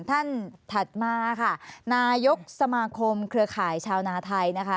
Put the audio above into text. ถัดมาค่ะนายกสมาคมเครือข่ายชาวนาไทยนะคะ